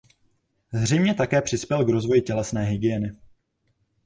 Zřejmě také přispěl k rozvoji tělesné hygieny.